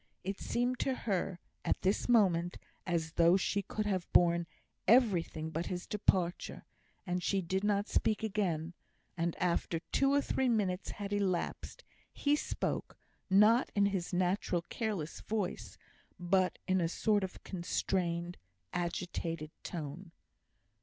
It seemed to her at this moment as though she could have borne everything but his departure; but she did not speak again; and after two or three minutes had elapsed, he spoke not in his natural careless voice, but in a sort of constrained, agitated tone.